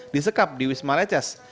disekap di wisma leches